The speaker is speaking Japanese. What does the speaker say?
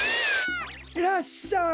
いらっしゃい！